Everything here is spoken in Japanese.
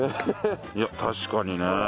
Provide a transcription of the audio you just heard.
いや確かにね。